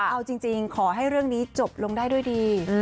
เอาจริงขอให้เรื่องนี้จบลงได้ด้วยดี